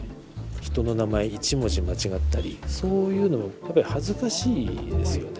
人の名前一文字間違ったりそういうのが恥ずかしいですよね。